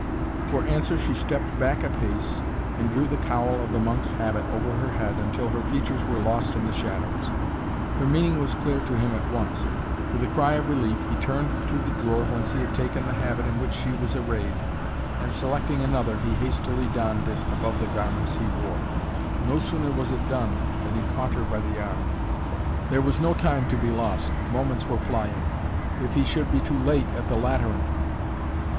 For answer she stepped back a pace and drew the cowl of the monk's habit over her head until her features were lost in the shadows. Her meaning was clear to him at once. With a cry of relief he turned to the drawer whence he had taken the habit in which she was arrayed and, selecting another, he hastily donned it above the garments he wore. No sooner was it done than he caught her by the arm. There was no time to be lost. Moments were flying. If he should be too late at the Lateran!